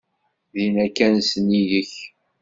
Dinna kan sennig-k.